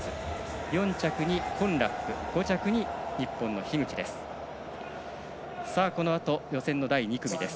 ４着にコンラック５着に日本の樋口です。